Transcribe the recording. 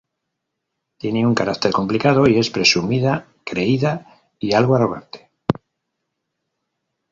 Tiene un carácter complicado y es presumida, creída y algo arrogante.